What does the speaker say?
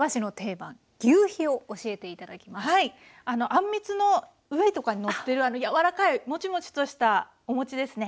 あんみつの上とかにのってる柔らかいモチモチとしたおもちですね。